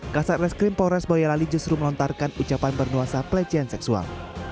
kaset reskrim mapores boyolali justru melontarkan ucapan bernuasa pelecehan seksual